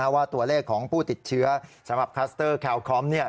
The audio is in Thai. ว่าตัวเลขของผู้ติดเชื้อสำหรับคลัสเตอร์แคลคอม